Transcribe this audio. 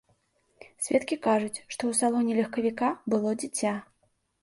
Сведкі кажуць, што ў салоне легкавіка было дзіця.